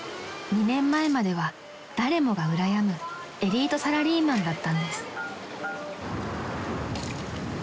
２年前までは誰もがうらやむエリートサラリーマンだったんです］